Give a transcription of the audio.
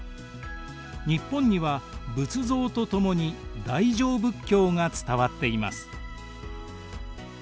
日本には仏像とともに大乗仏教が伝わっています。